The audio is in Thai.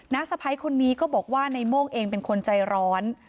สะพ้ายคนนี้ก็บอกว่าในโม่งเองเป็นคนใจร้อน